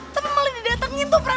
tapi malah didatengin tuh pratik